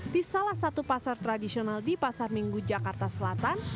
di salah satu pasar tradisional di pasar minggu jakarta selatan